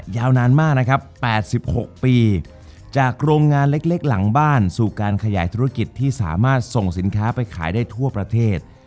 ยาวนานมากนะครับ๘๖ปีจากโรงงานเล็กหลังบ้านสู่การขยายธุรกิจที่สามารถส่งสินค้าไปขายได้ทั่วประเทศ